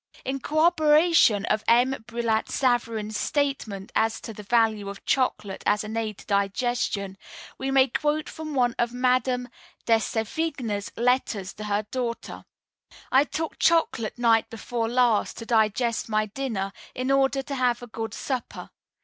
In corroboration of M. Brillat Savarin's statement as to the value of chocolate as an aid to digestion, we may quote from one of Mme. de Sévigné's letters to her daughter: "I took chocolate night before last to digest my dinner, in order to have a good supper.